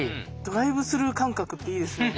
ドライブスルー感覚っていいですよね。